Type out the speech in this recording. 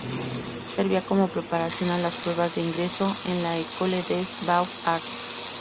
Servía como preparación a las pruebas de ingreso en la "École des Beaux-Arts.